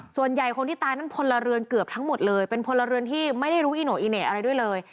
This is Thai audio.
ส่วนใหญ่คนที่ตายนั้นพลเรือนเกือบทั้งหมดเลยเป็นพลเรือนที่ไม่ได้รู้อีโน่อีเหน่อะไรด้วยเลย